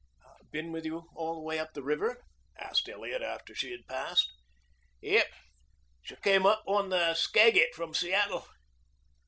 "Been with you all the way up the river?" asked Elliot after she had passed. "Yep. She came up on the Skagit from Seattle."